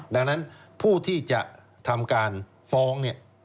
ดังนั้นผู้ที่จะทำการฟ้องเนี่ย